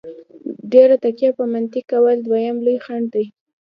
ډېره تکیه په منطق کول دویم لوی خنډ دی.